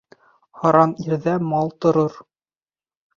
Һаран ирҙә мал торор.